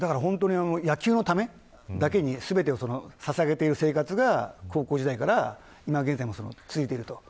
野球のためだけに全てをささげている生活が高校時代から今、現在も続いている。